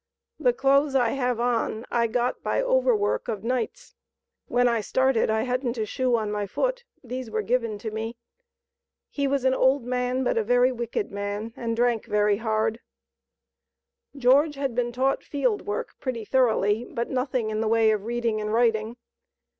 "The clothes I have on I got by overwork of nights. When I started I hadn't a shoe on my foot, these were given to me. He was an old man, but a very wicked man, and drank very hard." George had been taught field work pretty thoroughly, but nothing in the way of reading and writing.